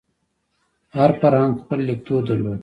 هر فرهنګ خپل لیکدود درلود.